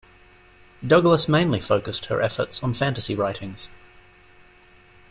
Douglass mainly focused her efforts on fantasy writings.